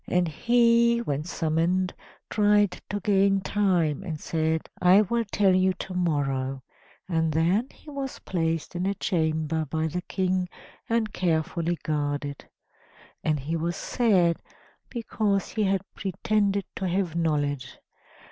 And he, when summoned, tried to gain time, and said: "I will tell you to morrow," and then he was placed in a chamber by the King and carefully guarded. And he was sad because he had pretended to have knowledge.